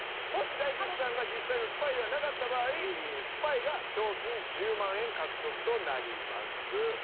もし大吉さんが実際のスパイではなかった場合スパイが賞金１０万円獲得となります。